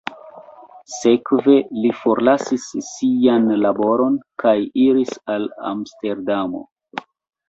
Sekve li forlasis sian laboron kaj iris al Amsterdamo.